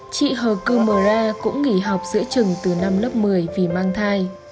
chị hờ kumara cũng nghỉ học giữa trừng từ năm lớp một mươi vì mang thai